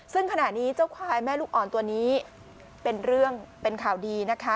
ซึ่งขณะนี้เจ้าควายแม่ลูกอ่อนตัวนี้เป็นเรื่องเป็นข่าวดีนะคะ